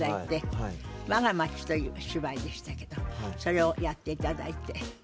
「わが街」という芝居でしたけどそれをやっていただいて。